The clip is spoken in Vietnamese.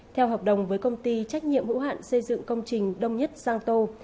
theo hợp đồng với công ty trách nhiệm hữu hạn xây dựng công trình đông nhất giang tô